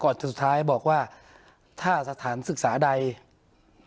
เพราะฉะนั้นทำไมถึงต้องทำภาพจำในโรงเรียนให้เหมือนกัน